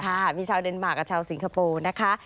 ค่ะมีชาวเดนมาร์กับชาวสิงคโปร์นะคะ